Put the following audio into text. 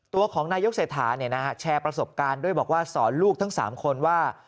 ตัวของนายกเศรษฐาแชร์ประสบการณ์ด้วยบอกว่าสอนลูกทั้ง๓คนว่า